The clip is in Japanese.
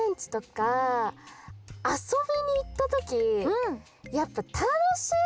あそびにいったときやっぱたのしい！